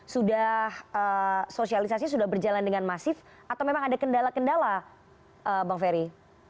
sudah sosialisasi sudah berjalan dengan masif atau memang ada kendala kendala bang ferry